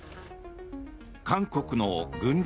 韓国の軍人